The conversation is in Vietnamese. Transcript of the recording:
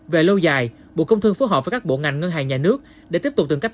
về lâu dài bộ công thương phối hợp với các bộ ngành ngân hàng nhà nước để tiếp tục tìm cách